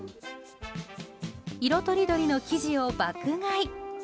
色とりどりの生地を爆買い。